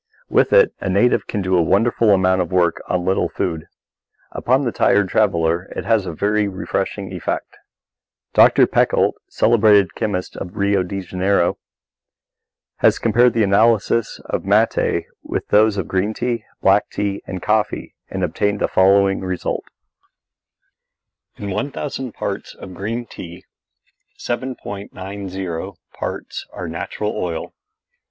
With it a native can do a wonderful amount of work on little food. Upon the tired traveller it has a very refreshing effect. Doctor Peckolt, celebrated chemist of Rio de Janeiro, has compared the analysis of matte with those of green tea, black tea, and coffee and obtained the following result: IN 1,000 PARTS OF GREEN TEA BLACK TEA COFFEE MATTE Natural oil 7.